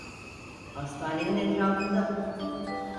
Hastanenin etrafında!